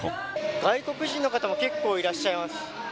外国人の方も結構いらっしゃいます。